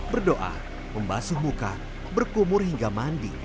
berdoa membasuh muka berkumur hingga mandi